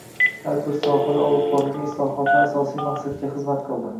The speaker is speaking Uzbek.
Har bir sohada olib borilgan islohotlar asosiy maqsadga xizmat qildi.